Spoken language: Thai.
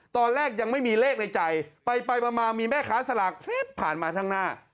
ตอนแรกยังไม่มีเลขในใจไปมามีแม่ค้าสลากผ่านมาข้างหน้า